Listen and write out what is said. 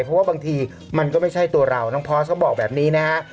เพราะว่าบางทีมันก็ไม่ใช่ตัวเราน้องพอสก็บอกแบบนี้นะฮะ